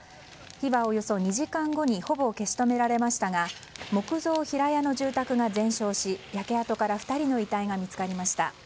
火はおよそ２時間後にほぼ消し止められましたが木造平屋の住宅が全焼し焼け跡から２人の遺体が見つかりました。